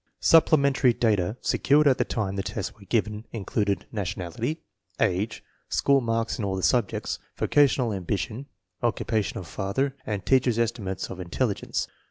Supplementary data secured at the time the tests were given included nationality, age, school marks in all the subjects, vocational ambi tion, occupation of father, and teachers* estimates of intelligence.